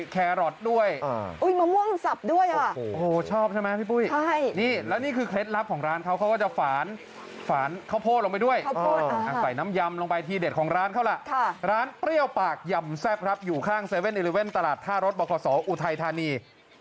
เครื่องแดงขนาดนี้